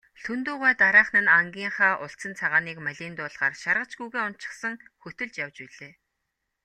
Лхүндэв гуай дараахан нь ангийнхаа улцан цагааныг малиндуулахаар шаргач гүүгээ уначихсан хөтөлж явж билээ.